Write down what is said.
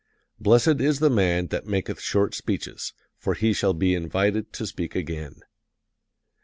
Blessed is the man that maketh short speeches, for he shall be invited to speak again.